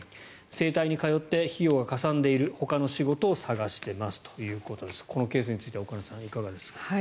整体に通って費用がかさんでいるのでほかの仕事を探しているこのケースについては岡野さん、いかがですか。